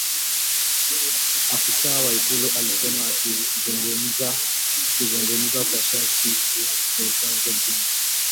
afisa wa ikulu alisema akizungumza kwa sharti la kutotajwa jina